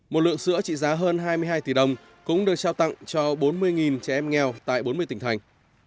một lượng sữa trị giá hơn hai mươi hai tỷ đồng cũng được trao tặng cho bốn mươi trẻ em nghèo tại bốn mươi tỉnh thành